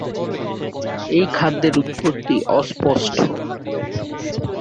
এই খাদ্যের উৎপত্তি অস্পষ্ট।